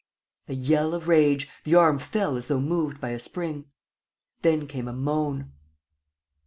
A yell of rage. ... The arm fell as though moved by a spring. Then came a moan.